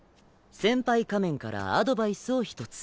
先輩仮面からアドバイスを１つ。